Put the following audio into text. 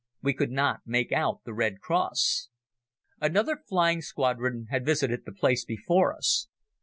We could not make out the Red Cross. Another flying squadron had visited the place before us.